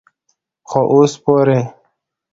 خو اوسه پورې